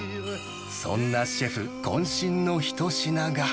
そんなシェフ渾身の一品が。